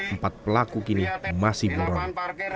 empat pelaku kini masih buron